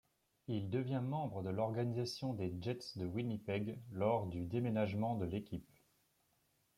Il devient membre de l'organisation des Jets de Winnipeg lors du déménagement de l'équipe.